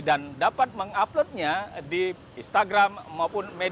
dan dapat menguploadnya di instagram maupun facebook